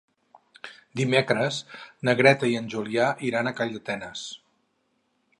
Dimecres na Greta i en Julià iran a Calldetenes.